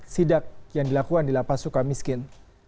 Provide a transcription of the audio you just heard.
sidak yang dilakukan di lapas sukamiskin